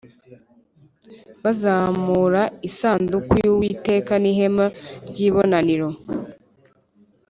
Bazamura isanduku y’Uwiteka n’ihema ry’ibonaniro